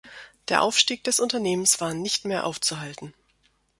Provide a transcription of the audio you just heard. Der Aufstieg des Unternehmens war nicht mehr aufzuhalten.